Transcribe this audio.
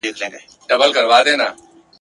له یوه اړخه پر بل را اوښتله !.